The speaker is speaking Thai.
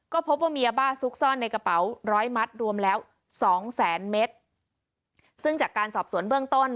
ก็พบว่ามียาบ้าซุกซ่อนในกระเป๋าร้อยมัดรวมแล้วสองแสนเมตรซึ่งจากการสอบสวนเบื้องต้น